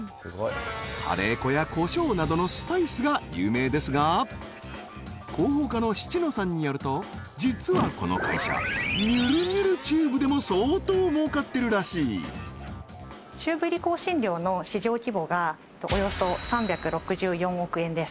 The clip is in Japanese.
カレー粉やコショウなどのスパイスが有名ですが広報課の七野さんによると実はこの会社にゅるにゅるチューブでも相当儲かってるらしいチューブ入り香辛料の市場規模がおよそ３６４億円です